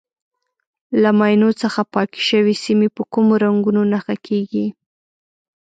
له ماینو څخه پاکې شوې سیمې په کومو رنګونو نښه کېږي.